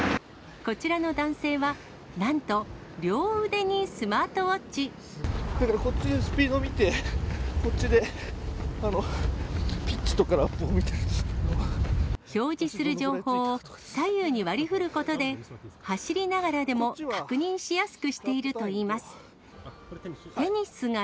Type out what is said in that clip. こちらの男性は、こっちでスピード見て、こっちで、表示する情報を左右に割りふることで、走りながらでも確認しやすくしているといいます。